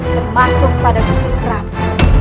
termasuk pada justru kerabat